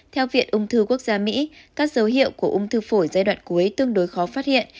theo viện ung thư quốc gia mỹ các dấu hiệu của ung thư phổi giai đoạn cuối tương đối khó phát hiện